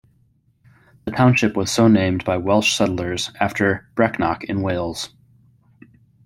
The township was so named by Welsh settlers, after Brecknock, in Wales.